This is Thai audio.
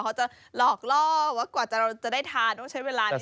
เขาจะหลอกรอบกว่าจะได้ทานต้องใช้เวลานิดหนึ่ง